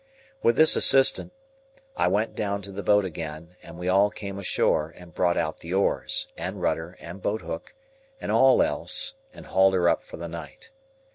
With this assistant, I went down to the boat again, and we all came ashore, and brought out the oars, and rudder and boat hook, and all else, and hauled her up for the night.